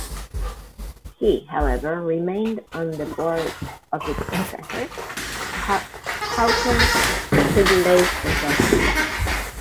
He, however, remained on the board of its successor, Hawker Siddeley until his death.